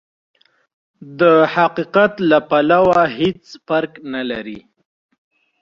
د حقيقت له پلوه هېڅ فرق نه لري.